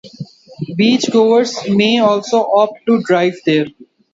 Beach-goers may also opt to drive there.